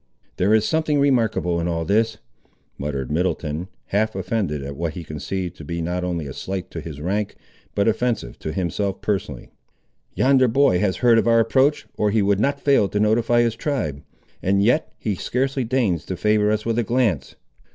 "There is something remarkable in all this," muttered Middleton, half offended at what he conceived to be not only a slight to his rank, but offensive to himself, personally; "yonder boy has heard of our approach, or he would not fail to notify his tribe; and yet he scarcely deigns to favour us with a glance.